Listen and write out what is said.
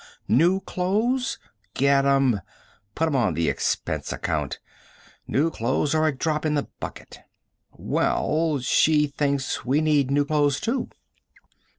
New clothes? Get 'em. Put 'em on the expense account. New clothes are a drop in the bucket." "Well ... she thinks we need new clothes, too."